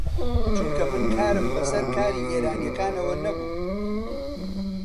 چونکە من کارم بە سەر کاری ئێرانییەکانەوە نەبوو